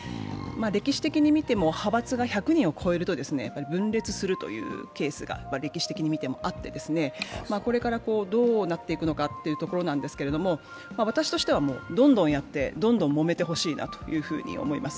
歴史的に見ても派閥が１００人を超えると分裂するというケースが歴史的に見てもあって、これからどうなっていくのかというところなんですけども、私としては、どんどんやって、どんどんもめてほしいなと思います。